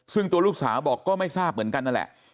ซึ่งตัวลูกสาวบอกก็ไม่ทราบเหมือนกันนั่นแหละ